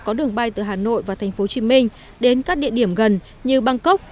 có đường bay từ hà nội và tp hcm đến các địa điểm gần như bangkok